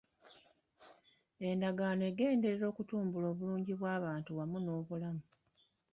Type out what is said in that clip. Endagaano egenderera kutumbula bulungi bw'abantu wamu n'obulamu.